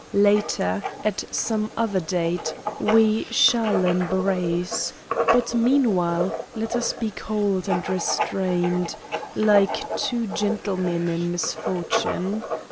Later, at some other date, we shall embrace, but meanwhile, let us be cold and re strained, like two gentlemen in misfortune.